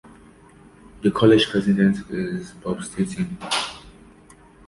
The college's president is Bob Staton.